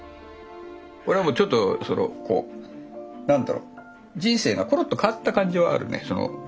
これはちょっと何だろう人生がコロッと変わった感じはあるね。